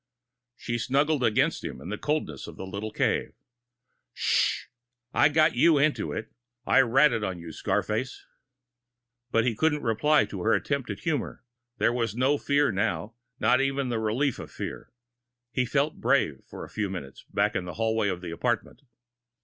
She snuggled against him in the coldness of the little cave. "Shh. I got you into it. I I ratted on you, Scarface!" But he couldn't reply to her attempt at humor. There was no fear now not even the relief of fear. He'd felt brave for a few minutes, back in the hallway of the apartment.